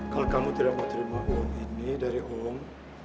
kalau kamu tidak mau terima uang ini dari om